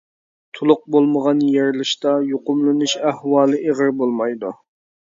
تولۇق بولمىغان يېرىلىشتا يۇقۇملىنىش ئەھۋالى ئېغىر بولمايدۇ.